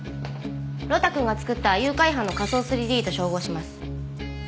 呂太くんが作った誘拐犯の仮想３Ｄと照合します。